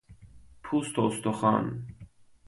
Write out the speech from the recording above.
پوست و استخوان